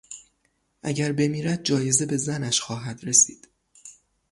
اگر بمیرد جایزه به زنش خواهد رسید.